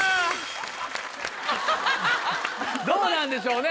どうなんでしょうね